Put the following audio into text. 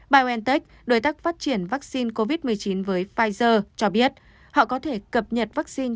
biontech đối tác phát triển vaccine covid một mươi chín với pfizer cho biết họ có thể cập nhật vaccine